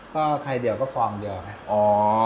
ก็ไข่เดียวก็ฟองเดียวครับ